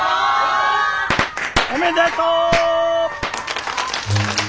おめでとう！